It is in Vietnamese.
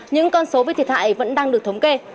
những con số về thiệt hại vẫn đang được thống kê